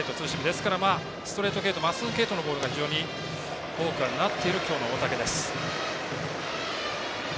ですからストレート系統まっすぐ系統のボールが非常に多くはなっている今日の大竹です。